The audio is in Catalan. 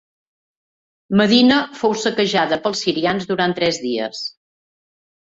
Medina fou saquejada pels sirians durant tres dies.